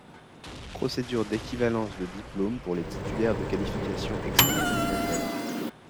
Procédure d'équivalence de diplôme pour les titulaires de qualification extra-communautaire.